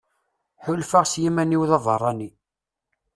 Ḥulfaɣ s yiman-iw d abeṛṛani.